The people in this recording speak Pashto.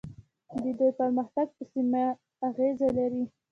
د دوی پرمختګ په سیمه اغیز لري.